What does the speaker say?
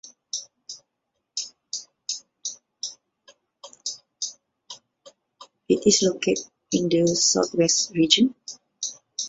It is located in the South West Region.